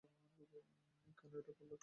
কেন এটা করলে, ক্র্যাশ?